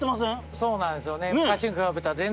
そうなんですよね。